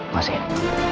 kasih ya bu